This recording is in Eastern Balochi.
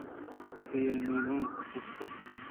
سیہ نہ بیت اسپیت